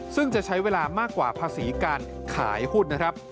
ซึ่งจะใช้เวลามากกว่าภาษีการขายหุ้นนะครับ